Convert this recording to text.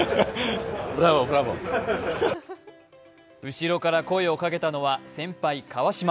後ろから声をかけたのは先輩・川島。